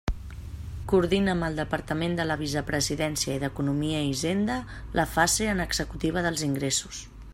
Coordina amb el Departament de la Vicepresidència i d'Economia i Hisenda la fase en executiva dels ingressos.